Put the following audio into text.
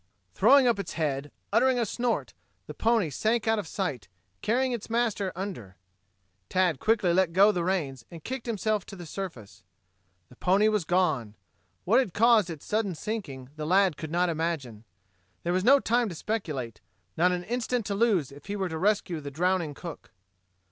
Throwing up its head, uttering a snort, the pony sank out of sight, carrying its master under. Tad quickly let go the reins and kicked himself to the surface. The pony was gone. What had caused its sudden sinking the lad could not imagine. There was no time to speculate not an instant to lose if he were to rescue the drowning cook.